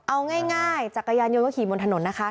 เอาง่ายจักรยานยนต์ก็ขี่บนถนนนะคะ